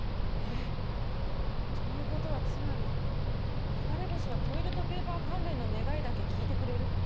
ええっ？という事はつまり流れ星はトイレットペーパー関連の願いだけ聞いてくれる？